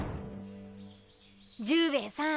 獣兵衛さん